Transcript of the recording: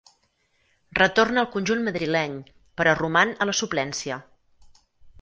Retorna al conjunt madrileny, però roman a la suplència.